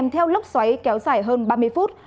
theo lốc xoáy kéo dài hơn ba mươi phút